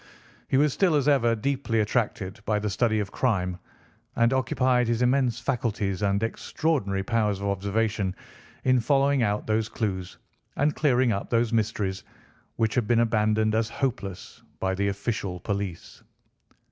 He was still, as ever, deeply attracted by the study of crime, and occupied his immense faculties and extraordinary powers of observation in following out those clues, and clearing up those mysteries which had been abandoned as hopeless by the official police.